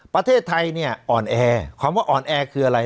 ประเทศไทยเนี่ยอ่อนแอความว่าอ่อนแอคืออะไร